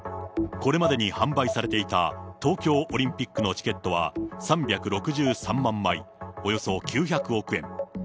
これまでに販売されていた東京オリンピックのチケットは３６３万枚、およそ９００億円。